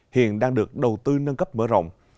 hiện đang được đầu tư nâng cấp mở rộng